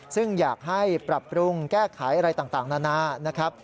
ซึ่งอยากให้ปรับปรุงแก้ไขอะไรต่างนานานะครับ